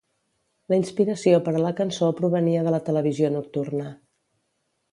La inspiració per a la cançó provenia de la televisió nocturna.